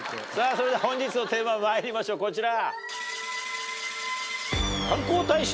それでは本日のテーマまいりましょうこちら。